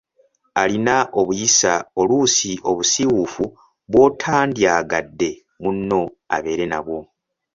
Alina obuyisa oluusi obusiwuufu bw’otandyagadde munno abeere nabwo.